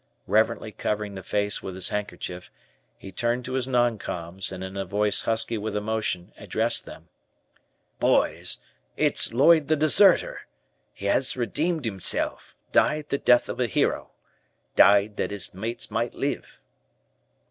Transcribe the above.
Reverently covering the face with his handkerchief, he turned to his "non coms," and in a voice husky with emotion, addressed them: "Boys, it's Lloyd the deserter. He has redeemed himself, died the death of a hero. Died that his mates might live."